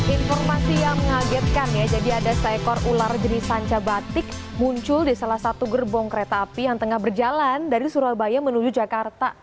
informasi yang mengagetkan ya jadi ada seekor ular jenis sanca batik muncul di salah satu gerbong kereta api yang tengah berjalan dari surabaya menuju jakarta